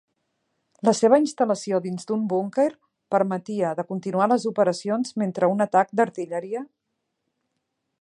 La seva instal·lació dins d'un búnquer permetia de continuar les operacions mentre un atac d'artilleria.